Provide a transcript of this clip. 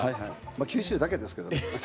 九州だけですけどね。